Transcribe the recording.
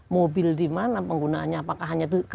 mobil dimana penggunaannya apakah hanya itu kekenangan